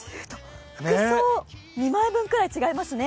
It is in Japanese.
服装２枚分くらい違いますね。